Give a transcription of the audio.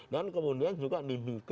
dan kemudian juga di lapas lapas itu